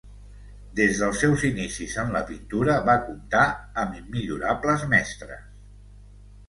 Des dels seus inicis en la pintura va comptar amb immillorables mestres.